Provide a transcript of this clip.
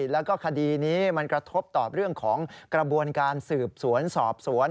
แล้วก็คดีนี้มันกระทบต่อเรื่องของกระบวนการสืบสวนสอบสวน